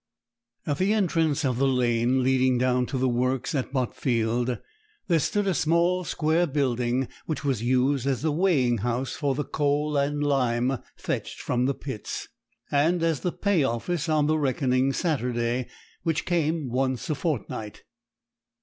At the entrance of the lane leading down to the works at Botfield there stood a small square building, which was used as the weighing house for the coal and lime fetched from the pits, and as the pay office on the reckoning Saturday, which came once a fortnight.